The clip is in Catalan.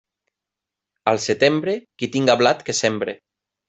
Al setembre, qui tinga blat que sembre.